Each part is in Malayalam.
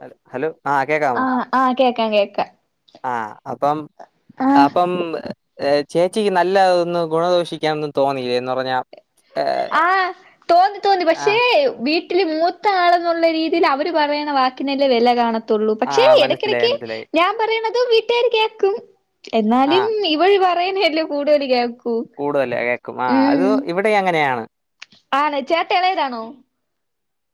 [unintelligible] ഹലോ ആഹ് കേക്കാമോ ആഹ് ആഹ് കേക്കാം കേക്കാം ആഹ് അപ്പം ആഹ് അപ്പം ഏഹ് ചേച്ചിക്ക് നല്ലതൊന്ന് ഗുണദോഷിക്കാനൊന്നും തോന്നിയില്ലേ എന്ന് പറഞ്ഞാ ഏഹ് ആഹ് തോന്നി തോന്നി പക്ഷേ ആഹ് [unintelligible] ട്ടില് മൂത്ത ആളെന്നുള്ള രീതിയില് അവര് പറയുന്ന വാക്കിനല്ലെ വില കാണ ത്തുള്ളൂ പക്ഷേ ആഹ് മനസ്സിലായി ഇടക്കിടക്ക് മനസ്സിലായി ഞാൻ പറയണതും വീട്ടുകാര് കേക്കും എന്നാലും ഇവൾ പറയണല്ലേ കൂടുതൽ ക [unintelligible] കൂടുതലേ കേക്കും ആ അത് ഇവിടേം അങ്ങനെയാണ് ആണ് ചേട്ട എളയതാണോ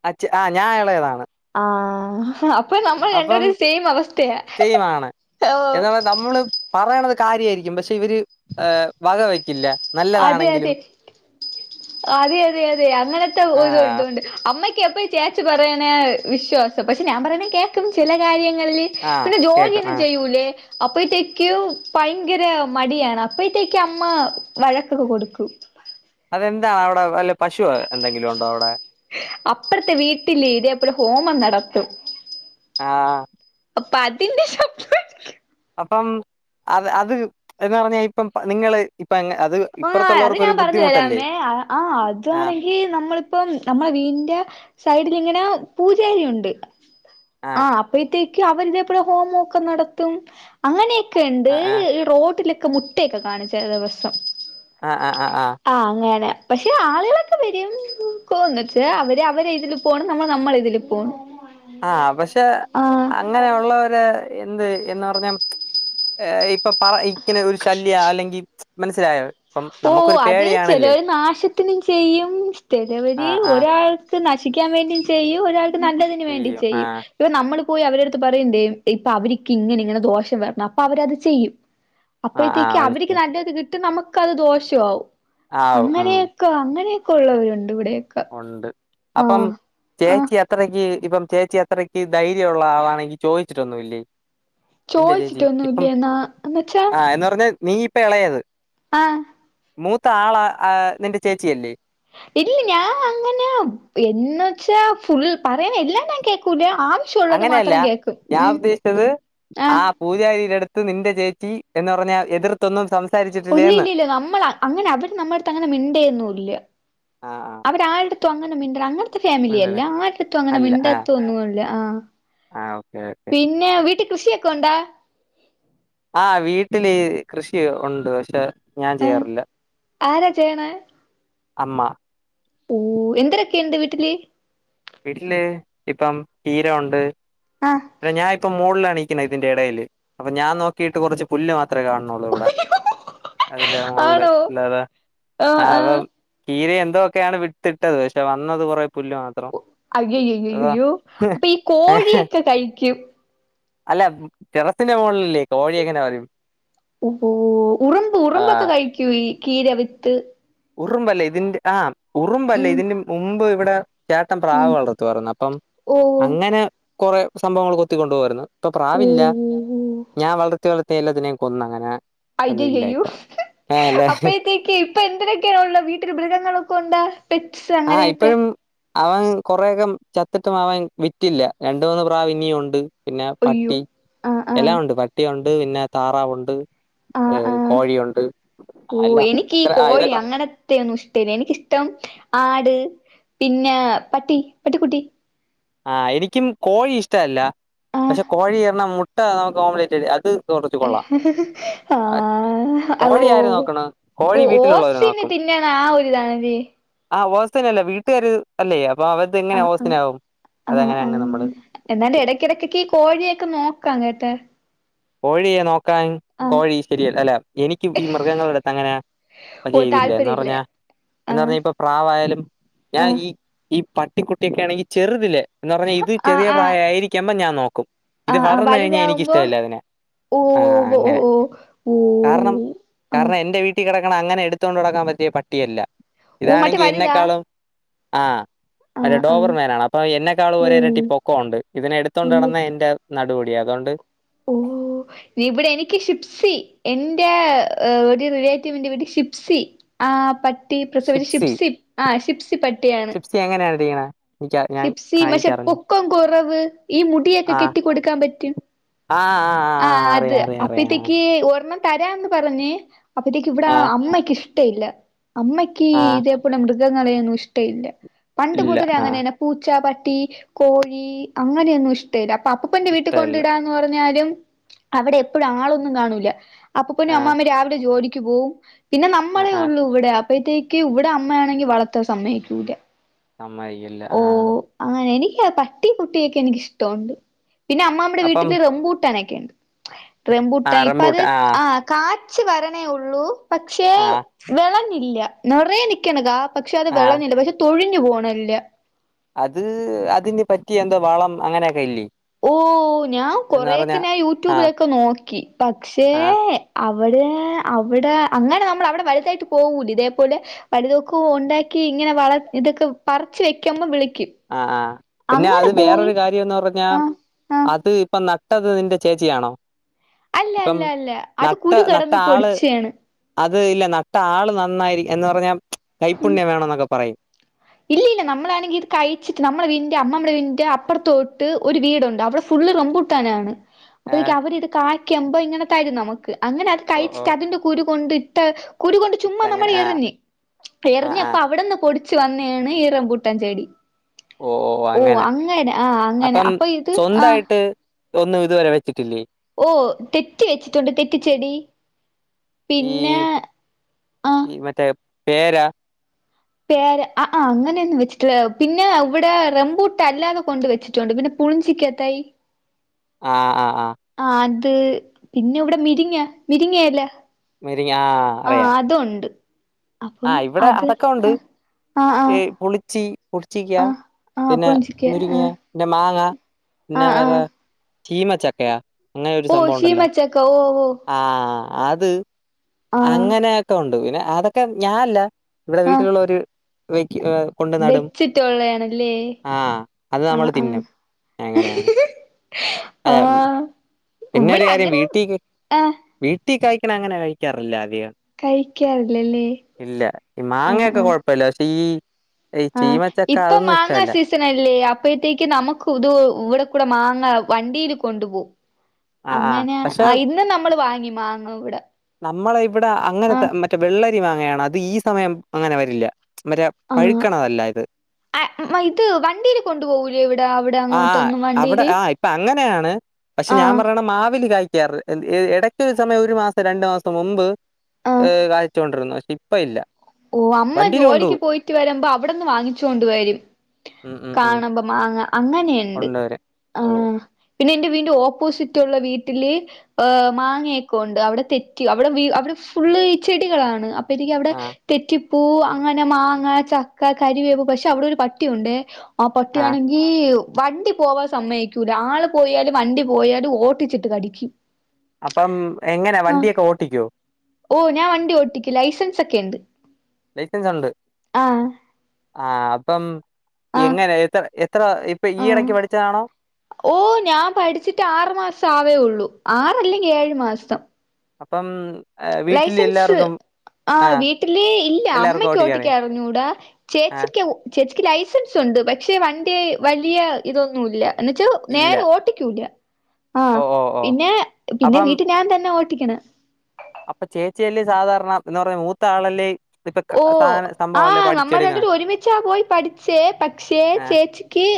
അഛ ആ ഞാൻ എളയതാണ് ആഹ് [unintelligible] അപ്പൊ നമ്മൾ രണ്ട് അപ്പം പേരും സെയിം അവസ്ഥയാ ഹ് സെയിമാണ് ഹ് ഓ കാര്യയിരിക്കും പക്ഷെ ഇവര് വക വയ്ക്കില്ല അതെ അതെ അതെ അതെ അതെ അങ്ങനത്തെ ഒരു ആഹ് ഇതൊണ്ട് അമ്മ എപ്പയും ചേച്ചി പറയണേ വിശ്വാസം പക്ഷെ ഞാൻ പറയണേ കേൾക്കും ചില കാര്യങ്ങ [unintelligible] ആഹ് പിന്നെ കേക്കും ജോലിയൊന്നും ആഹ് ചെയ്യൂലേ അപ്പഴത്തേക്ക് ഭയങ്കര മടിയാണ് അപ്പഴത്തേക്ക് അമ്മ വഴക്കൊക്ക കൊടുക്കും അതെന്താ അവിടെ വല്ല പശു എന്തെങ്കിലും ഉണ്ടോ അവിടെ അപ്പറത്തെ വീട്ടില് ഇതേ പോലെ ഹോമം നടത്തും ആഹ് അപ്പൊ അതിന്റെ [unintelligible] അപ്പം അത് അത് എന്ന് പറഞ്ഞാൽ ഇപ്പം നിങ്ങള് ഇപ്പ അത് ആ അത് ഇപ്പുറത്തുള്ളവർക്കൊരു ഞാൻ പറഞ്ഞു ബുദ്ധിമുട്ടല്ലേ തരാമേ ആ് ആഹ് അതാണെങ്കിൽ നമ്മളിപ്പം നമ്മളെ വീന്റെ സൈഡിലിങ്ങനെ പൂജാരി ഉണ്ട് ആ ആഹ് അപ്പത്തേ അവരിതേപലെ ഹോമഒക്കെ നടത്തും അങ്ങനെയൊക്കെ ഉണ്ട് ആഹ് ആഹ് ഈ റോട്ടില് [unintelligible] മുട്ടയൊക്കെ കാണിച്ച ദിവസം ആഹ ആഹ ആഹ ആഹ ആഹ് അങ്ങനെ പക്ഷെ ആളുകളൊക്കെ വരും പോകുനക്, അവര് അവരെ ഇതിൽ പോണം, നമ്മൾ നമ്മളെതിൽ പോണം. ആഹ.. പക്ഷെ അങ്ങനെയുള്ളര്- എന്ത് എന്ന് പറഞ്ഞൽ, ഇപ്പൊ പറ- ഇക്കന ഒരു ശല്യ അല്ലെങ്കിൽ- മനസ്സിലായോ? ഇപ്പം ഓ നമുക്കൊരു അത് പേടിയാണല്ലേ ചെലവര് നാശത്തിനും- ചെയ്യും ചിലവര് ആഹ് ആഹ് ഒരാൾ- നശിക്കാൻ വേണ്ടിയും ചെയ്യും, ഒരാൾക്ക് നല്ലതിന് വേണ്ടി ചെയ്യും. ഇപ്പോ നമ്മൾ- പോയി അവടെ അടുത്ത് പറയേണ്ടെ, ഇപ്പോ അവർക്ക് ഇങ്ങനെ... ഇങ്ങനെ.. ദോഷം- വരണം അപ്പൊ അവരത് ചെയ്യും. ആഹ് ആഹ് അപ്പോഴത്തേക്ക് അവർക്ക് മനസ്സിലായി നല്ലത് കിട്ടും നമുക്കത് ദോഷമാവും. ആഹ് ഉം അങ്ങനെയൊക്കെ.. അങ്ങനെയൊക്കെ ഉള്ളവരുണ്ട് ഇവിടൊക്കേ. ഉണ്ട് അപ്പം ചേച്ചി അത്രക്ക്- ഇപ്പം ചേച്ചി അത്രക്ക് ധൈര്യമുള്ള ആളാണെങ്കിൽ, ചോദിച്ചിട്ടൊന്നുംല്ലേ? നിന്റെ ചേച്ചി ഇപ്പം ചോദിച്ചിട്ടൊന്നുംല്ലേ എന്നാ എന്ന് ആ... എന്ന് പറഞ്ഞ നീ ഇപ്പ ഇളയത്. ആഹ... ! മൂത്ത ആള് നിന്റെ ചേച്ചിയല്ലേ? ഇല്ല... ഞാൻ അങ്ങനെ എന്ന വച്ചാ- ഫുൾ പറയണ എല്ലാം ഞാൻ- കേക്കൂല. ആവശ്യമുള്ളത് അങ്ങനെയല്ല മാത്രം കേക്കും ഞാൻ ഉം ഉദ്ദേശിച്ചത് ആ.. ആഹ് പൂജാരിഎടുത്ത്- നിന്റെ ചേച്ചി എന്ന് പറഞ്ഞാ- എതിർതോന്നും സംസാരി. ഇല്ല.. ഇല്ല... ഇല്ല നമ്മൾ അങ്ങനെ അവര് നമ്മടുത്ത് അങ്ങനെ- മിണ്ടയന്നുംല്ല. ആ ആ അവരാ [unintelligible] അങ്ങനെ മിണ്ട.. അങ്ങനത്തെ ഫാമിലി അല്ല ഉണ്ടല്ലേ ആരിടത്തും അങ്ങനെ മിണ്ടത്തോ ഒന്നുമല്ല. ആഹ.. ! ആഹ... ഓക്കെ.. ഓക്കെ. കൃഷിയോക്കെ ഉണ്ടാ? ആഹ.. വീട്ടിൽ കൃഷി ഉണ്ട്. പക്ഷേ - ആഹ.. ആരാ ചെയ്യണേ? അമ്മ.. ! ഓ എന്തരൊക്കെയ് ഉണ്ട് വീട്ടില്? വീട്ടില് ഇപ്പം ചിര ഉണ്ട്. ആഹ് പിന്ന ഞാൻ- ഇപ്പം മോളിലാണേ. ഇതിന്റെ ഇടയില് അപ്പോ ഞാൻ നോക്കിട്ട് കുറച്ച് പുല്ല് മാത്രേ- കാണുന്നുള്ളൂ ഇവിടെ. അതിന്റെ മോളില് ആണോ അല്ലതാ, ആഹ് ആ അപ്പ ആഹ് ചീര എന്ത- ഇതൊക്കെയാണ് വിട്ടട്ടത് പക്ഷെ- വന്നത് കുറേ പുല്. അയ്യയ്യ... അയ്യ.. യ.. യ്യോ അപ്പൊ- ഈ ഏ കോഴിയൊക്കെ കഴിക്കും. അല്ല, ടെറസിന്റെ മുകളിലല്ലേ കോഴി- എങ്ങനെ വരും. ഓ ഉറുമ്പ് ഉറുമ്പൊക്കെ കഴിക്കൂ ചീ- ര വിത്ത്. ഉറുമ്പല്ലേ.. ഇതിന്റെ ആഹ്.. ഉറുമ്പല്ലേ ഉം ഇതിറെ മുമ്പ് ഇവിടെ- ചേട്ടൻ പ്രാവ് ഉം വളർത്തുവരുന്നു, അപ്പം ഓ അങ്ങനെ കുറേ സംഭവങ്ങൾ കൊത്തിക്കൊണ്ടു പോമായിരുന്നു. ഇപ്പോ ഓ പ്രാവില്ല ഞാൻ വളർത്തി, വളർത്തിയല്ലാംതിനെ കൊന്ന- അങ്ങനെ. അത് ഇല്ല അയ്യായ്യായോ ഇപ്പൊ ആ അല്ലേ അപ്പഴതേക്ക് ഇപ്പോ- എന്തര്. വീട്ടില് മൃഗങ്ങളൊക്കെ ഉണ്ടാ? പെറ്റ്സ് ആ അങ്ങനെയൊക്കെ? ഇപ്പോഴും അവൻ കൊറേയക്കം ചത്തിട്ടും അവൻ വിറ്റില്ല രണ്ട്, മൂന്ന് പ്രാവ് ഇനിയ ഉണ്ട്. പിന്നെ അയ്യോ പട്ടി ആഹ് ആഹ് എല്ലാം ഉണ്ട് പട്ടിയുണ്ട്, പിന്നെ.. താറാവുണ്ട്. ഏ... ആഹ് ആഹ് കോഴിയുണ്ട്. ആ, ഓ എല്ലാം എനിക്കി ഈ ഇത്ര- ആ കോഴി ഇതൊക്കെ ഉണ്ട് അങ്ങനത്തെ ഒന്നും ഇഷ്ടല്ല. എനിക്കിഷ്ടം ആട്- പിന്നെ പട്ടി പട്ടിക്കുട്ടി. ആ എനിക്കും കോഴി ഇഷ്ടമല്ല. ആഹ് പക്ഷെ കോഴി ഇറഞ്ഞ മുട്ട നമുക്ക് ഓമലേറ്റ് അത്- കുറച്ച് കൊള്ളാം ആഹ.. ആ.. കോഴി ആര് നോക്കണ് കോഴി വീട്ടിലുള്ളവര് ഓസി [inaudible] ഞ് ണ, ആ, ഒരുതാണത് [unintelligible] ആഹ്.. ഓസി നല്ല വീട്ടുകാര് അല്ലേ, അപ്പോ അവരത് എങ്ങനെ ഓസി- ആവും. ആ.. ആ.. എന്നാണ്ട് ഇടക്ക്- ഇടക്കൊക്ക ഈ കോഴിയൊക്കെ നോക്കാം കേട്ടോ. കോഴിയെ നോക്കാൻ കോഴി- ശരിയല്ല അല്ല, എനിക്കും ഈ- മൃഗങ്ങള എടുത്ത് അങ്ങനാ- അത് ഓ ചെയ്തില്ലേ? എന്ന് താല്പര്യം ഇല്ല പറഞ്ഞാ എന്ന് ആഹ് പറഞ്ഞാ ഇപ്പോ പ്രാവായാലും ഞാൻ ആഹ് ഈ ഈ- പട്ടിക്കുട്ടിയൊക്കെയാണങ്കി ചെറുതില്ലേ എന്ന് പറഞ്ഞാ ഇത് ആഹ് ചെറിയ പ്രായ ആയിരിക്കുമ്പം ഞാൻ നോക്കും ഇത് ആഹ് ആഹ് വളർന്നഴിഞ്ഞാ എനിക്ക് വലുതാവുമ്പോ ഇഷ്ടല്ല അതിനെ ഓ ആഹ് ഓ അങ്ങനെ ഓ ഓ കാരണം ആഹ് കാരണം എന്റെ വീട്ടി കെടക്കണങ്ങനെ എടുത്തോണ്ട്ടക്കാൻ പറ്റിയ പട്ടിയല്ല ഓ മറ്റേ ഇതാണെങ്കി വലുതാ എന്നെക്കാളും ആഹ് അതെ ആഹ് ആഹ് ഡോബർ മേനാണ് അപ്പൊ എന്നെക്കാളും ഓ ഒരെരട്ടി പൊക്കോണ്ട് ഇതിനെ എടുത്തോണ്ട അയ്യോ നടന്ന എന്റെ നടുഒടിയും അതുകൊണ്ട് ഓ ഇവിടെ എനിക്ക് ഷിപ്സി എന്റെ ഒരു റിലേറ്റീവിറെ വീട്ടിൽ ഷിപ്സി ആഹ് ആഹ് പട്ടി പ്രസവിച്ചി ഷിപ്സി ആഹ് ഷിപ്സിപ ചിപ്സി എങ്ങനെയാനിരിക്കുന്നത് ഷിപ്സി പക്ഷേ പൊക്കം കൊറവ് ഈ മുടിയൊക്കെ ആഹ് കെട്ടിക്കൊടുക്കാൻ പറ്റും ആഹ് ആഹ് അത് അറിയാം അറിയാം അറിയാം ആഹ്. അപ്പത്തേക്ക് ഒരെണ്ണം തരാന്ന് പറഞ്ഞ് അപ്പത്തേക്ക് ഇവടെ ആഹ് അമ്മയ്ക്ക് ഇഷ്ടല്ല അമ്മയ്ക്ക് ആഹ് ഇതേപലെ മൃഗ ളേന്നും ഇഷ്ടയില്ല പണ്ട് ഇല്ല മുതലേ ആഹ് ങ്ങനെന്നേ പൂച്ച പ ട്ടി കോഴി അങ്ങനെയൊന്നും ഇഷ്ടല്ല അപ്പൊ ഇഷ്ടല്ല. അപ്പൂപ്പന്റെവീട്ടികൊണ്ടിടാ എന്ന്പറഞ്ഞാലും അവിടെ എപ്പോഴും ആളൊന്നും കാണൂല്ല അപ്പൂപ്പനും ആഹ് അമ്മാമ്മീം രാവിലെ ജോലിക്ക് പോവും പിന്നെ ആഹ് നമ്മളെ ആഹ് ഉള്ളു ഇവിടെ അപ്പഴത്തേക്ക് ഇവിടെ അമ്മയാണെങ്കി വളർത്താൻ സമ്മയ്ക്കൂല്ല സമ്മയിക്കില്ലാ ആഹ് ല്ല പട്ടികുട്ടിയൊക്കെ എനിക്ക് ഇഷ്ടമുണ്ട്, പിന്നെ അമ്മാമ്മടെ അപ്പം വീട്ടില് റംബൂട്ടാനൊക്കെയുണ്ട് റെംബൂട്ടൻ ആഹ് ഇപ്പ അത് റംബൂട്ടാൻ ആഹ് ആ കാച്ച് വരണേ ഉള്ളൂ, പക്ഷേ ആഹ് വെള ഞ്ഞില്ല, നിറയെ നിക്കാണ് കാ പക്ഷേ അത് ആഹ് വെളഞ്ഞില്ല പക്ഷേ തൊഴിഞ്ഞു പോവാണെല്ലാം. അത് അതിന് പറ്റിയ എന്തോ വളം അങ്ങനെയൊക്കെ ഇല്ലേ? ഓഹ് ഞാൻ എന്ന് കൊറെയൊക്കെ പറഞ്ഞാ ഞാൻ ആഹ് യൂട്യൂബിലൊക്കെ നോക്കി പക്ഷേ ആഹ് അ വിടെ അവടെ അങ്ങനെ നമ്മൾ അവിടെ വലുതായിട്ട് പോകൂലാ ഇതേപോലെ വല്ലതൊക്കെ ഉണ്ടാക്കി ഇങ്ങനെ വള ഇതക്കെ പറച്ച് വെക്കുമ്പോ വിളി ആഹ് ആഹ് പിന്നെ അത് വേറൊരു കാര്യന്ന് പറഞ്ഞാ ആഹ് ആഹ് അത് ഇപ്പ നട്ടത് നിന്റെ ചേച്ചിയാണോ? അല്ല ഇപ്പം അല്ല അല്ല അത് നട്ട കുരു നട്ട കടന്ന് ആള് പൊടിച്ചയാണ് അത് ഇല്ല നട്ട ആള് നന്നായിരി എന്ന് പറഞ്ഞാ കൈപ്പുണ്യം വേണം എന്നൊക്കെ പറയും. ഇല്ല ഇല്ല നമ്മളാണെങ്കിൽ ഇത് കഴിച്ചിട്ട് നമ്മുടെ വീന്റെ അമ്മമ്മടെ വീടിന്റെ അപ്പുറത്തോട്ട് ഒരു വീടുണ്ട് അവിടെ ഫു ള്ള് റെംബൂട്ടാനാണ്. ആ അപ്പത്തേക്കും അവര് ഇത് കായ്ക്കുമ്പോ ഇങ്ങനെ തരും നമുക്ക് അങ്ങനെ അത് ഓ ഓ കഴിച്ചിട്ട് അതിന്റെ കുരു കൊണ്ടിട്ട കുരുകൊണ്ട് ചുമ്മാ ഇട്ടങ്ങനെ നമ്മള് ആ എറിഞ്ഞ് ആ ആ എറിഞ്ഞപ്പ അവിടുന്ന് പൊടിച്ച് വന്ന യാണ് ഈ റംബൂട്ടാൻ ചെടി. ഓ ഓ ഓഹ് അങ്ങനെ ആഹ് അങ്ങനെ അപ്പോ ഇത് ആഹ് ഇതൊന്നും ഇതുവരെ വെച്ചിട്ടില്ലേ? ഓഹ് തെറ്റി വെച്ചിട്ടുണ്ട് തെറ്റിച്ചെടി. ഈ പിന്നെ ആഹ് പേരാ പേര ആഹ് ആഹ് അങ്ങനെയൊന്നും വെച്ചിട്ടില്ല പിന്നെ ഇവിടെ റംബൂട്ട് അല്ലാതെ കൊണ്ട് വെച്ചിട്ടുണ്ട്, പിന്നെ പുളിഞ്ചിക്ക തൈ ആഹ് ആഹ് ആ അത് പിന്നെ ഇവിടെ മിരിങ്ങ മിരിങ്ങെല്ല മുരിങ്ങ ആ അറിയാം അതൊണ്ട് ആ ഇവിടെ അതൊക്കെ ഉണ്ട് ആ ആ ഏ പുളിച്ചി പുളിച്ചിക്കാ ആ ആ പിന്നെ പുളിഞ്ചിക്ക ആ മുരിങ്ങിയ പിന്നെ മാങ്ങ ആ പിന്നെ ആ വേറെ ചീമ ചക്കയാ അങ്ങനെ ഒരു ഓ സംഭവം ഉണ്ടല്ലോ ഷീമച്ചക്ക ഓ ഓ ആഹ് അത് ആ അങ്ങനെയൊക്കെ ഉണ്ട് പിന്നെ അതൊക്കെ ഞാആല്ല ഇവിടെ ആ വീട്ടിലുള്ള ഒര് ഏ കൊണ്ടു നടും വെച്ചിട്ടുള്ളയാണല്ലേ ആ അത് ആ നമ്മള് ആ തിന്നും എങ്ങനെയാണ് അത ആ പിന്നെരു ഇവിടെ കാര്യം അങ്ങനെ വീട്ടിൽ ആ വീട്ടിൽ കഴിക്കണം അങ്ങനെ കഴിക്കാറില്ല ആതിക കഴിക്കാറില്ലല്ലേ ഇല്ല ഈ മാങ്ങയൊക്കെ കൊഴപ്പല്ല പക്ഷെ ഈ ഈ ചീമച്ചക്ക ആഇപ്പൊ അതൊന്നും മാങ്ങാ ഇഷ്ടല്ല. സീസൺ അല്ലേ അപ്പഴത്തേക്ക് നമുക്ക് ഇത് ഇവിടെ കൂടെ മാ ങ്ങവണ്ടിൽ കൊണ്ടു ആഹ് ആഹ് പോവുംഅങ്ങനെ പക്ഷെ ആ ഇന്നും നമ്മൾ വാങ്ങി മാങ്ങ ഇവിടെ നമ്മളെ ഇവിടെ ആ അങ്ങനെത്തെ മറ്റേ വെള്ളരി മാങ്ങയാണ് അത് ഈ സമയം അങ്ങനെ വരില്ല. ആ മറ്റെപഴുക്കണതല്ല ഇത് ആ ഇത് വണ്ടിയില് കൊണ്ടു പോകൂലേ ഇവിടെ അവിടെ ആ അങ്ങോട്ടൊന്നും അവിടെ വണ്ടിയില് ആ ഇപ്പൊ അങ്ങനെയാണ് പക്ഷെ ആ ഞാൻ പറയണം മാവില്കായ ക്കാറ്ഇടയ്ക്ക ഒരു സമയം ഒരു മാസം രണ്ട് മാസം മുമ്പ് ആ കാഴിച്ചോണ്ടിരുന്നു പക്ഷെ ഇപ്പ ഇല്ല ഓ അമ്മ വണ്ടിയിൽ ജോലിക്ക് കൊണ്ടുപോകും പോയിട്ട് വരുമ്പോ അവിടെന്ന് വാങ്ങിച്ചോണ്ട് വരും. ഉം ഉം ഉം കാണുമ്പം മാങ്ങ അങ്ങനെയുണ്ട് കൊണ്ടുവരും ആ ഓഹ് പിന്നെ എന്റെ ഓപ്പോസിറ്റ് ഉള്ള വീട്ടില് മാങ്ങയൊക്കെണ്ട് അവിടെ തെറ്റി അവിടെ ഫുൾ ഈ ചെടികളാണ് അപ്പ എനിക്ക് അവിടെ ആഹ് തെറ്റിപ്പൂ അങ്ങനെ മാങ്ങ ചക്ക കരിവേപ്പ് പക്ഷെ അവിടെ ഒരു പട്ടിയുണ്ട് ആ ആഹ് പട്ടിയാണെങ്കി വണ്ടി പോവാൻ സമ്മയിക്കൂല ആള് പോയാല് വണ്ടി പോയാല് ഓട്ടിച്ചിട്ട് കടിക്കും അപ്പം എങ്ങനെ ആ വണ്ടിയൊക്കെ ഓട്ടിക്കോ ഓ ഞാൻ വണ്ടി ഓട്ടിക്ക ലൈസൻസ് ഒക്കെ ഉണ്ട് ലൈസൻസ് ഉണ്ട് ആഹ് ആ അപ്പം ആഹ് എങ്ങനെ എത്ര എത്ര ഇപ്പൊ ഈ ആഹ് ഇടയ്ക്ക് പഠിച്ചതാണോ ഓ ഞാൻ പഠിച്ചിട്ട് ആറു മാസം ആവേള്ളൂ ആറ അല്ലെങ്കിൽ ഏഴ് മാസം അപ്പം വീട്ടില് ലൈസൻസ് എല്ലാവർക്കും. ആ ആഹ് വീട്ടില് ഇല്ല എല്ലാവർക്കും അമ്മയ്ക്ക് ഓട്ടിക്ക ഓട്ടിക്കറിയാം അറഞ്ഞൂടാ ആഹ് ചേച്ചിക്ക് ചേച്ചി എനിക്ക് ലൈസൻസ് ഉണ്ട് പക്ഷെ വണ്ടി വലിയ ഇതൊന്നു ഇല്ല എന്ന് ഇല്ല വച്ചാനേരെ ഓട്ടിക്കൂല്ല ആഹ് ഓഹ് ഓഹ് ഓഹ് പിന്നെ പിന്നെ അപ്പം വീട്ടിൽ ഞാൻ തന്നെ ഓട്ടിക്കണ അപ്പൊ ചേച്ചിയല്ലേ സാധാരണ എന്താ പറ മൂത്താളല്ലേ ഓ ആ നമ്മൾ രണ്ടരു ഒരുമിച്ചാ പോയി പഠിച്ചേ പക്ഷേ ആഹ് ചേച്ചിക്ക്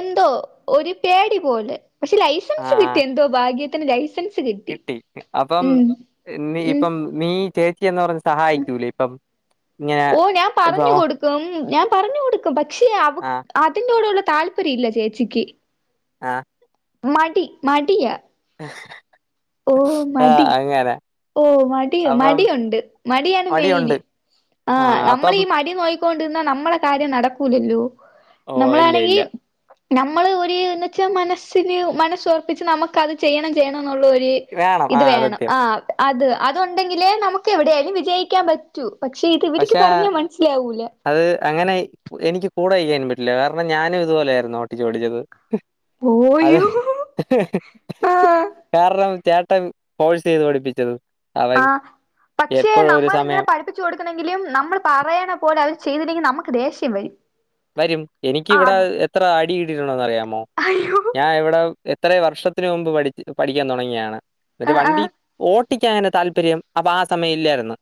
എന്തോ ഒരു പേടി പോലെ പക്ഷെ ലൈസൻസ് ആഹ് കിട്ടി ആഹ് എന്തോ ഭാഗ്യത്തിന് ലൈസൻസ് - കിട്ടി അപ്പം നീ ഉം ഇപ്പം നീ ചേച്ച പറഞ്ഞ് സഹായിക്കൂലേ ഇപ്പം ഇങ്ങനെ ഓ ഞാൻ ഇപ്പൊ പറഞ്ഞു കൊടുക്കും ഞാൻ പറഞ്ഞു കൊടുക്കും പക്ഷെ അവ ആ അതിനോടുള്ള താല്പര്യ ഇല്ല ചേച്ചിക്ക് ആ മടി മടിയാ ഓ ആ മടി അങ്ങനെ ഓ മടി അപ്പം മടിയുണ്ട് മടിയാണ് മടിയുണ്ട് മെയിന് ആ നമ്മളീഈ മടി നോയിക്കൊണ്ടിരുന്നാ നമ്മള കാര്യം നടക്കൂലല്ലോ ഓ ഇല്ല നമ്മളാണെങ്കി ഇല്ല നമ്മള് ഒരു എന്ന് വെച്ചാൽ മനസ്സിന് മനസ്സ് ഉറപ്പിച്ച് നമുക്കത് ചെയ്യണം ചെയ്യണം എന്നുള്ള ഒര് ഇത് ആ വേണം സത്യം ആ അത് അത്ണ്ടെങ്കിലേനമുക്ക് എവിടെയാലും വിജയിക്കാൻ പറ്റൂ പക്ഷെ ഇത് ഇവരിക്ക് പക്ഷെ പറഞ്ഞാ മനസ്സിലാവൂല അത് അങ്ങനെ എനിക്ക് കൂടെ ചെയ്യാനും പറ്റില്ല കാരണം ഞാനും ഇതുപോലെയായിരുന്നു ഓട്ടിച്ച് പടിച്ചത് ഹ്അതേ പോയോ ഹ ഹേ ആഹ് കാരണം ചേട്ടൻ ഫോഴ്‌സ് ചെയ്ത് പഠിപ്പിച്ചത് ആ അവൻ പക്ഷെ എപ്പോഴും ഒരു നമ്മൾ ഇങ്ങനെ സമയം പഠിപ്പിച്ചു കൊടുക്കണെങ്കിലും നമ്മൾ പറയണ പോലെ അവര് ചെയ്തില്ലെങ്കിൽ നമുക്ക് ദേഷ്യം വരും വരും. ആഹ് എനിക്കിവിടെ അത് എത്ര അടി കിട്ടിയിട്ടുണ്ടെന്ന് അറിയാമോ? അയ്യോ ഞാൻ ഇവിടെ! എത്ര വർഷത്തിനു മുമ്പ് പഠിച്ച പഠിക്കാൻ തുടങ്ങിയാണ്. എന്നിട്ടു് ആഹ് വണ്ടി! ആഹ് ട്ടിക്കനെ താല്പര്യം. അപ്പൊ ആ സമയം ഇല്ലായിരുന്നു.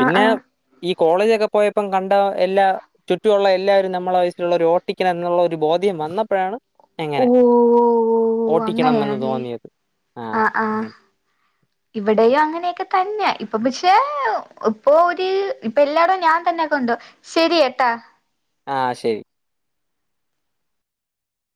ആഹ് ആഹ് ഈ! കോളേജൊക്കെ പോയപ്പം കണ്ട എല്ലാ ചുറ്റുമുള്ള എല്ലാവരും നമ്മ! നമ്മളെ വയസ്സിലുള്ള ഒരു ഓട്ടിക്കൻ എന്നുള്ള ഒരു ബോധ്യം വന്നപ്പോഴാണ്! എങ്ങനെ ഓഹ് ഓട്ടിക്കണമെന്ന് അങ്ങനെയാണല്ലേ തോന്നിയത് ആഹ് ആഹ് ആഹങ്ങെ? ഇവിടെയും അങ്ങനെയൊക്കെ! തന്നെ! ഇപ്പൊ പക്ഷേ ഇപ്പൊ ഒരു ഇപ്പൊ എല്ലായിടും ഞാൻ തന്നെ കൊണ്ടോ ശെരി ട്ടാ! ആഹ്! ശരി!